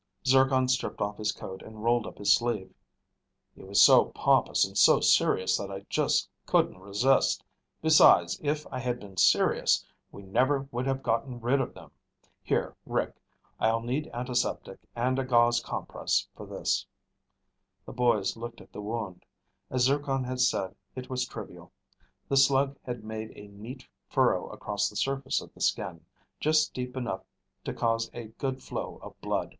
Zircon stripped off his coat and rolled up his sleeve. "He was so pompous and so serious that I just couldn't resist. Besides, if I had been serious, we never would have gotten rid of them. Here, Rick. I'll need antiseptic and a gauze compress for this." The boys looked at the wound. As Zircon had said, it was trivial. The slug had made a neat furrow across the surface of the skin, just deep enough to cause a good flow of blood.